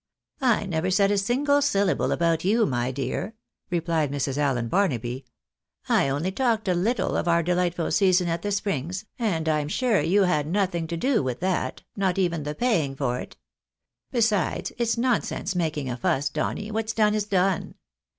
"I never said a single syllable about you, my dear," replied Mrs. Allen Barnaby ;" I only talked a little of our delightful sea son at the Springs, and I'm sure you had nothing to do with that, not even the paying for it. Besides, it's nonsense making a fuss, Donny, what's done is done.